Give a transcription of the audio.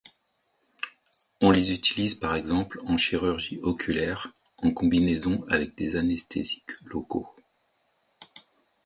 On les utilise par exemple en chirurgie oculaire en combinaison avec des anesthésiques locaux.